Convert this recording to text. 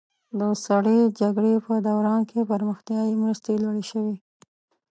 د سړې جګړې په دوران کې پرمختیایي مرستې لوړې شوې.